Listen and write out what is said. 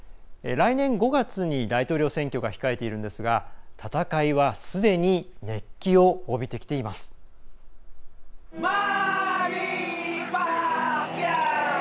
来年５月に大統領選挙が控えているんですが戦いはすでに熱気を帯びてきています。